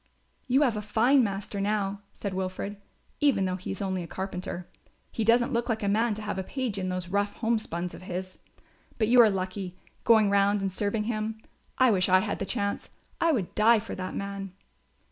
"You have a fine master now," said Wilfred, "even though he is only a carpenter. He doesn't look like a man to have a page in those rough home spuns of his. But you are lucky, going round and serving him. I wish I had the chance. I would die for that man."